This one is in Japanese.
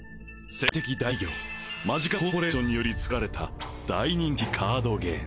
世界的大企業マジカコーポレーションにより作られた大人気カードゲーム